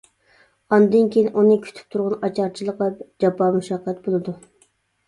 ئاندىن كېيىن ئۇنى كۈتۈپ تۇرغىنى ئاچارچىلىق ۋە جاپا-مۇشەققەت بولىدۇ.